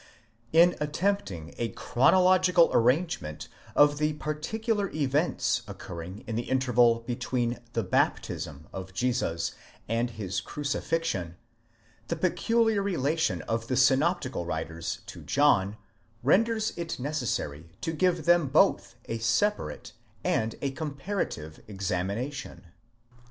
In attempting a chronological arrangement of the particular events occur ring in the interval between the baptism of Jesus and his crucifixion, the peculiar relation of the synoptical writers to John, renders it necessary to give them both a separate and a comparative examination.